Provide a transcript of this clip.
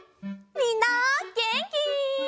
みんなげんき？